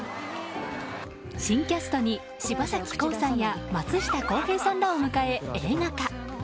新キャストに柴咲コウさんや松下洸平さんらを迎え映画化。